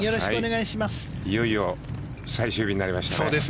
いよいよ最終日になりました。